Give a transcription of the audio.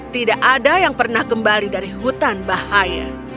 tidak ada yang pernah kembali dari hutan bahaya